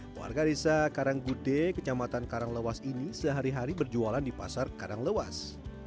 warga desa karanggude kecamatan karanglewas ini sehari hari berjualan di pasar karanglewas